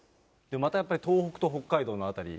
まだやっぱり東北と北海道の辺り。